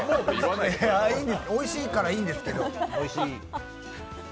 おいしいからいいんですけど。